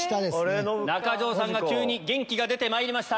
中条さんが急に元気が出てまいりました。